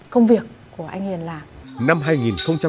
công việc của anh hiền làm